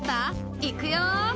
いくよ！